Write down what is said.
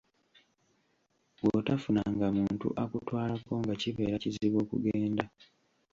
Bw'otafunanga muntu akutwalako nga kibeera kizibu okugenda.